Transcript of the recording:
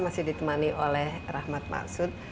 masih ditemani oleh rahmat maksud